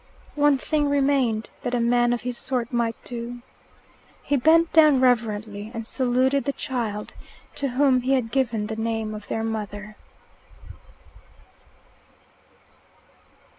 One thing remained that a man of his sort might do. He bent down reverently and saluted the child; to whom he had given the name of their mother.